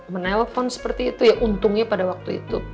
menelpon seperti itu ya untungnya pada waktu itu